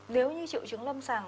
nếu như triệu chứng lâm sàng